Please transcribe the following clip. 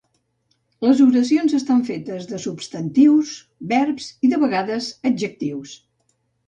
Les oracions estan fetes de substantius, verbs i de vegades adjectius.